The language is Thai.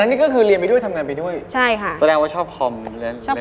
ตอนนั้นก็คือเรียนไปด้วยทำงานไปด้วยแสดงว่าชอบคอมแล้วอย่างนี้ใช่ไหม